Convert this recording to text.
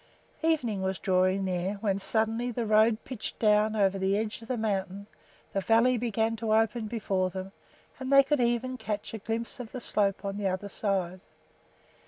Evening was drawing near, when suddenly the road pitched down over the edge of the mountain, the valley began to open before them, and they could even catch a glimpse of the slope on the other side.